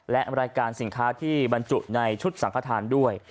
และรายการสินค้าที่บรรจุในชุดสังขทานด้วย